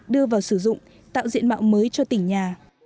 đưa vào sử dụng tạo diện mạo mới cho tỉnh nhà